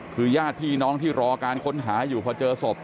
คือญาติพี่น้องที่รอการค้นหาอยู่พอเจอศพ